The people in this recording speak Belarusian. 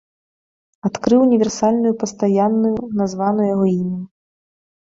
Адкрыў універсальную пастаянную, названую яго імем.